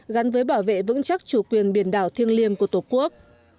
gắn với bảo vệ vững chắc chủ quyền biển đảo thiêng liêng của tổ quốc